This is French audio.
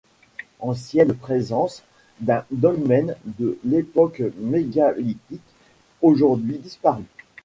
Ancienne présence d'un dolmen de l'époque mégalithique, aujourd'hui disparu.